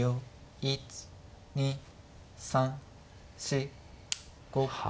１２３４５。は。